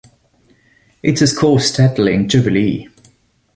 It is a score-settling jubilee.